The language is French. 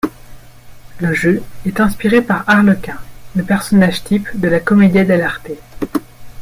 Le jeu est inspiré par Arlequin, le personnage type de la commedia dell'arte.